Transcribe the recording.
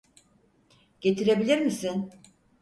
Getirebilir misin?